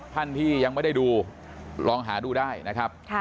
ท่านที่ยังไม่ได้ดูลองหาดูได้นะครับ